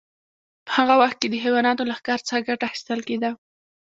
په هغه وخت کې د حیواناتو له ښکار څخه ګټه اخیستل کیده.